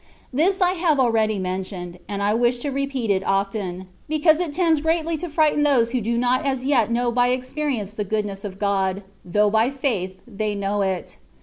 This I have already mentioned, and I wish to repeat it often, because it tends greatly to frighten those who do not as yet know by experience the goodness of God, though by faith they know it.